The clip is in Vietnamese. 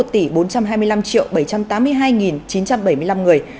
trong tám mươi hai chín trăm bảy mươi năm người